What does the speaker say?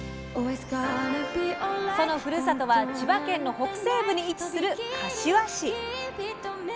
そのふるさとは千葉県の北西部に位置する柏市。